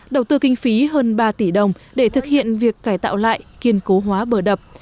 đầu tư kinh phí hơn ba tỷ đồng để thực hiện việc cải tạo lại kiên cố hóa bờ đập